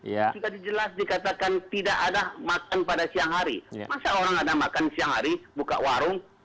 sudah dijelas dikatakan tidak ada makan pada siang hari masa orang ada makan siang hari buka warung